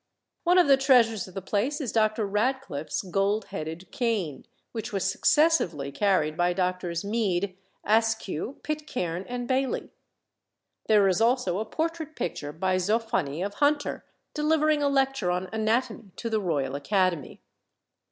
One of the treasures of the place is Dr. Radcliffe's gold headed cane, which was successively carried by Drs. Mead, Askew, Pitcairn, and Baillie. There is also a portrait picture by Zoffany of Hunter delivering a lecture on anatomy to the Royal Academy.